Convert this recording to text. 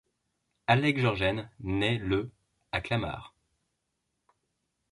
Alec Georgen naît le à Clamart.